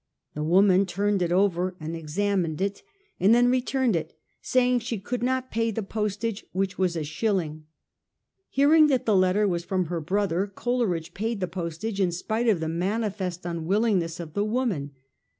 The woman turned it over and examined it, and then returned it, saying she could not pay the postage, which was a shilling. Hearing that the letter was from her brother, Coleridge paid the postage, in spite of the manifest unwillingness of the woman.